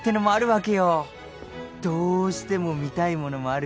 どうしても見たいものもあるしね。